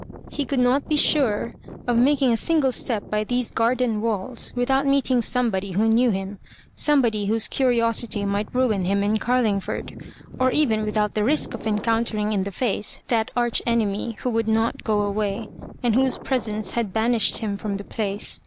He could not be sure of making a single step by these garden walls without meeting somebody who knew him — somebody whose curiosity might ruin him in Carlingford ; or even without the risk of encountering in the face that arch enemy, who would not go away, and whose presence bad banished him from the place.